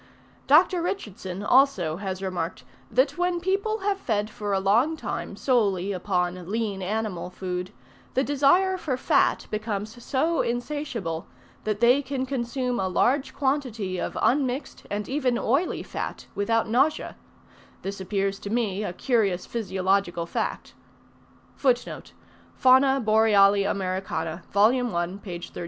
Dr. Richardson also, has remarked, "that when people have fed for a long time solely upon lean animal food, the desire for fat becomes so insatiable, that they can consume a large quantity of unmixed and even oily fat without nausea:" this appears to me a curious physiological fact.